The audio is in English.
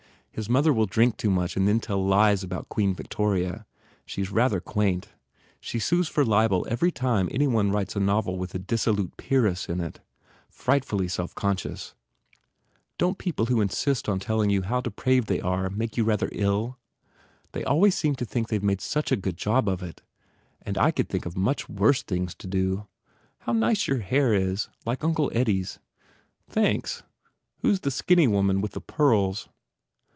His mother will drink too much and then tell lies about Queen Victoria. She s rather quaint. She sues for libel every time any one writes a novel with a dissolute peeress in it. Frightfully self conscious. Don t people who insist on telling you how depraved 129 THE FAIR REWARDS they are make you rather ill? They always seem to think they ve made such a good job of it. And I could think of much worse things to do. How nice your hair is! Like Uncle Eddie s." "Thanks. Who s the skinny woman with the pearls?"